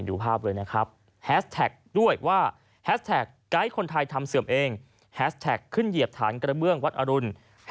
ดูภาพเลยนะครับด้วยว่าคนไทยทำเสียบเองขึ้นเหยียบฐานกระเบื้องวัดอรุณ